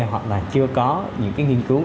hoặc là chưa có những cái nghiên cứu